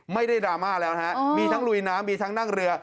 ดราม่าแล้วนะฮะมีทั้งลุยน้ำมีทั้งนั่งเรือ